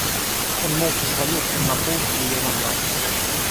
Он молча свалился на пол к ее ногам.